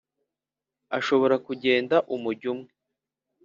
ashobora kugenda umujyo umwe